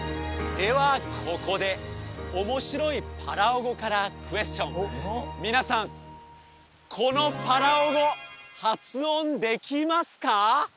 ではここで面白いパラオ語からクエスチョン皆さんこのパラオ語発音できますか？